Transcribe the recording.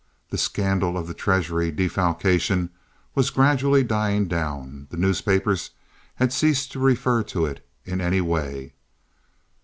The scandal of the treasury defalcation was gradually dying down; the newspapers had ceased to refer to it in any way.